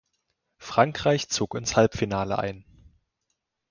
Frankreich zog ins Halbfinale ein.